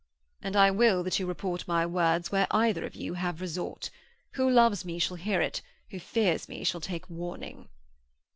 'And I will that you report my words where either of you have resort. Who loves me shall hear it; who fears me shall take warning.'